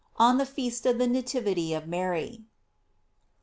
On the Feast of the Nativity of Mary.